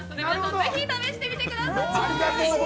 ぜひ試してみてください。